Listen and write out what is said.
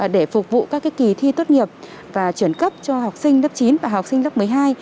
trong các kỳ thi tốt nghiệp và chuyển cấp cho học sinh lớp chín và học sinh lớp một mươi hai